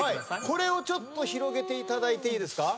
これを広げていただいていいですか？